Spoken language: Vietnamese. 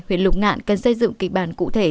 huyện lục ngạn cần xây dựng kịch bản cụ thể